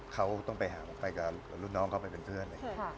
เขาต้องไปหาผมไปกับรุ่นน้องเขาไปเป็นเพื่อน